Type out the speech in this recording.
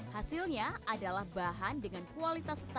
hasilnya adalah bahan dengan kualitas